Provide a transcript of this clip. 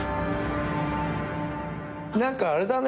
何かあれだね